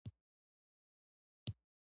ثبات لرونکی اقتصاد، د ټولنې د سوکالۍ بنسټ دی